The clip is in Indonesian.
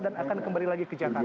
dan akan kembali lagi ke jakarta